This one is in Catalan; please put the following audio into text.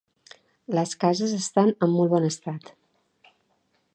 Les cases estan en molt bon estat.